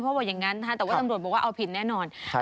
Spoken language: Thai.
ว่าอย่างนั้นแต่ว่าตำรวจบอกว่าเอาผิดแน่นอน